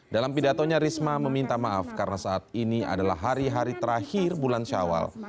dalam pidatonya risma meminta maaf karena saat ini adalah hari hari terakhir bulan syawal